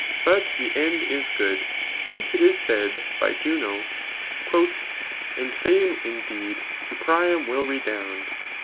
But the end is good. Hence it ffi said l^by Juno,*] And fame, indeed, to Priam wiU redound.